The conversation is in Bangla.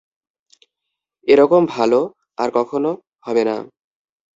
এরকম ভালো আর কখনো হবে না।